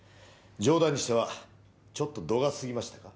冗談にしてはちょっと度が過ぎましたか？